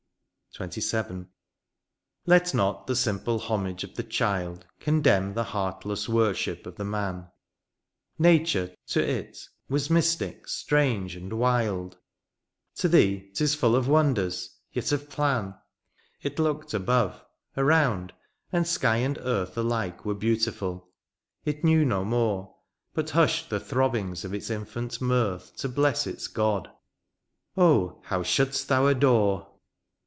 XXVII. Let not the simple homage of the child Condemn the heartless worship of the man ; Nature, to it, was mystic, strange, and wild ; To thee 'tis ftdl of wonders, yet of plan : It looked above, around, and sky and earth Alike were beautiful — it knew no more. But hushed the throbbings of its infant mirth To bless its God— oh! how should'st thou adore!